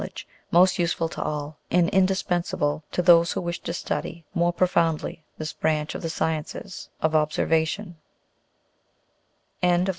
'edge most useful to all, and indispensable to those who wish to study more profoundly this branch of the sciences of observation GLOSSARY.